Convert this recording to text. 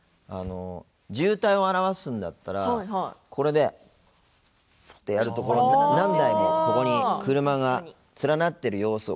渋滞を表すんだったらこれで、こうやってやると何台も、ここに車が連なっている様子。